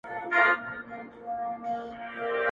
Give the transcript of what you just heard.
دلته دوه رنګي ده په دې ښار اعتبار مه کوه٫